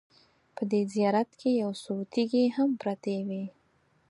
په دې زیارت کې یو څو تیږې هم پرتې وې.